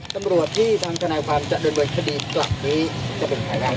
ตำรวจที่ทางทนายความจะโดยรวมคดีหลักนี้จะเป็นไหนนะครับ